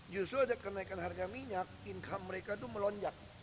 justru ada kenaikan harga minyak infosan